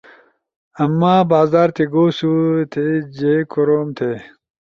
مہ بازار تھی گؤ سو، تھی جھی کوروم تھے؟